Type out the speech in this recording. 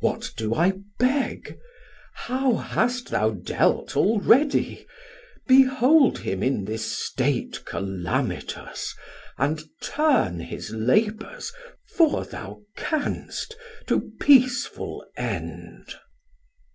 What do I beg? how hast thou dealt already? Behold him in this state calamitous, and turn His labours, for thou canst, to peaceful end.